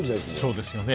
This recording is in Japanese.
そうですよね。